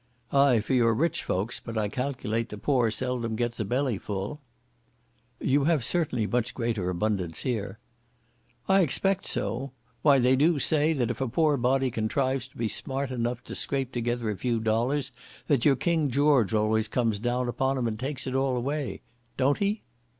"Ay, for your rich folks, but I calculate the poor seldom gets a belly full." "You have certainly much greater abundance here." "I expect so. Why they do say, that if a poor body contrives to be smart enough to scrape together a few dollars, that your King George always comes down upon 'em, and takes it all away. Don't he?"